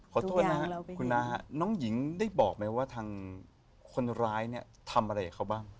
ขอโทษนะครับคุณน้าน้องหญิงได้บอกไหมว่าทางคนร้ายเนี่ยทำอะไรกับเขาบ้าง